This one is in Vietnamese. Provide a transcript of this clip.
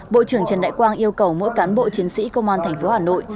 bộ trưởng trần đại quang yêu cầu mỗi cán bộ chiến sĩ công an thành phố hà nội